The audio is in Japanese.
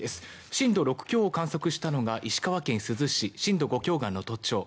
震度６強を観測したのが石川県珠洲市震度５強が能登町。